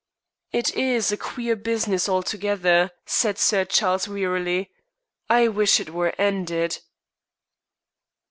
"It is a queer business altogether," said Sir Charles wearily; "I wish it were ended."